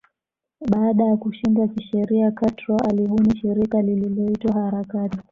Baada ya kushindwa kisheria Castro alibuni shirika lililoitwa harakati